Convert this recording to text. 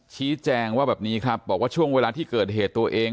ชี้แจงว่าแบบนี้ครับบอกว่าช่วงเวลาที่เกิดเหตุตัวเอง